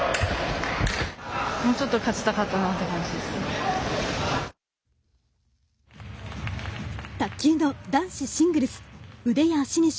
もうちょっと勝ちたかったなという感じです。